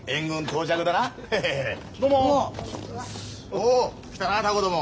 おお来たなタコども。